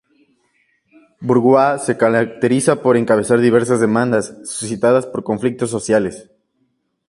Burgoa se caracterizó por encabezar diversas demandas suscitadas por conflictos sociales.